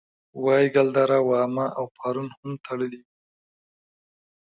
وایګل دره واما او پارون هم تړلې وې.